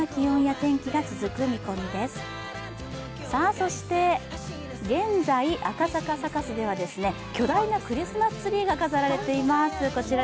そして現在、赤坂サカスでは巨大なクリスマスツリーが飾られています。